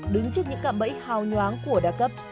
đứng trước những cạm bẫy hào nhoáng của đa cấp